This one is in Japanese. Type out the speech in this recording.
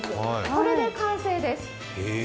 これで完成です。